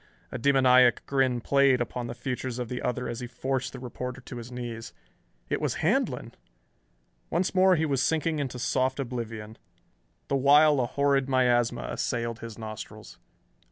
A demoniac grin played upon the features of the other as he forced the reporter to his knees. It was Handlon.... Once more he was sinking into soft oblivion, the while a horrid miasma assailed his nostrils.